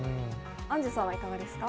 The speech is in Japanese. アンジュさんはいかがですか。